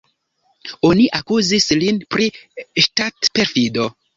Oni akuzis lin pri ŝtatperfido.